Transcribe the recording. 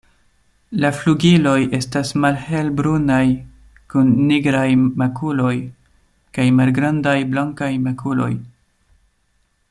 La flugiloj estas malhelbrunaj kun nigraj makuloj kaj malgrandaj blankaj makuloj.